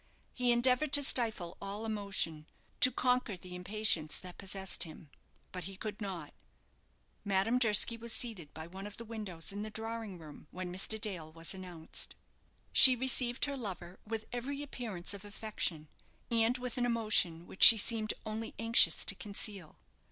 He endeavoured to stifle all emotion to conquer the impatience that possessed him; but he could not. Madame Durski was seated by one of the windows in the drawing room when Mr. Dale was announced. She received her lover with every appearance of affection, and with an emotion which she seemed only anxious to conceal.